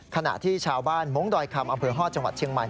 ขณะที่ชาวบ้านมงคดอยคำอำเภอฮอตจังหวัดเชียงใหม่